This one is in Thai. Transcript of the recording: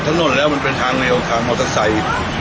ถนนแล้วมันเป็นทางแนวทางมอเตอร์ไซค์